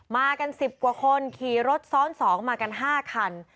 มากัน๑๐กว่าคนขี่รถซ้อน๒มากัน๕คัน